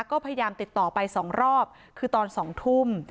ก็พยายามติดต่อไป๒รอบคือตอน๒ทุ่ม